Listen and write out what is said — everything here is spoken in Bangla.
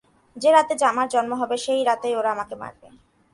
যে-রাতে আমার জন্ম হবে সেই রাতেই ওরা আমাকে মারবে।